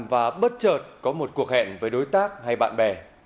và bất chợt có một cuộc hẹn với đối tác hay bạn bè